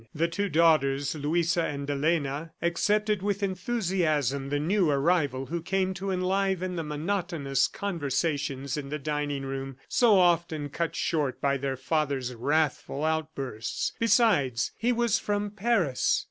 The two daughters, Luisa and Elena, accepted with enthusiasm the new arrival who came to enliven the monotonous conversations in the dining room, so often cut short by their father's wrathful outbursts. Besides, he was from Paris.